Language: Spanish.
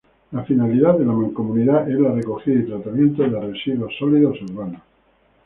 La finalidad de la Mancomunidad es la recogida y tratamiento de residuos sólidos urbanos.